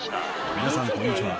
皆さんこんにちは。